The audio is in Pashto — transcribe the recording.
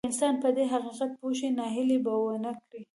که انسان په دې حقيقت پوه شي ناهيلي به ونه کړي.